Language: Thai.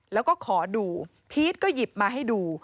แล้วก็ขอดูพีชก็หยิบมาให้ดู